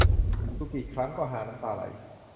ดูกี่ครั้งก็ฮาน้ำตาไหล